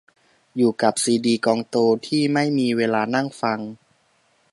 อยู่กับซีดีกองโตที่ไม่มีเวลานั่งฟัง